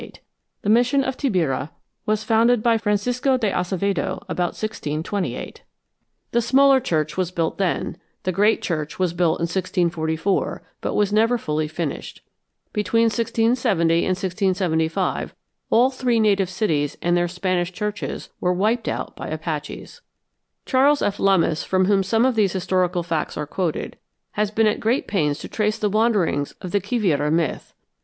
The mission of Tabirá was founded by Francisco de Acevedo about 1628. The smaller church was built then; the great church was built in 1644, but was never fully finished. Between 1670 and 1675 all three native cities and their Spanish churches were wiped out by Apaches. Charles F. Lummis, from whom some of these historical facts are quoted, has been at great pains to trace the wanderings of the Quivira myth.